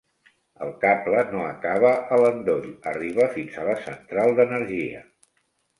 El cable no acaba a l'endoll, arriba fins a la central d'energia.